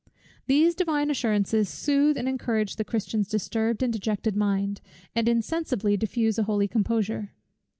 These Divine assurances sooth and encourage the Christian's disturbed and dejected mind, and insensibly diffuse a holy composure.